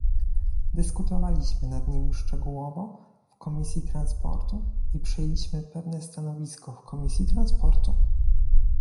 Dyskutowaliśmy nad nim szczegółowo w Komisji Transportu i przyjęliśmy pewne stanowisko w Komisji Transportu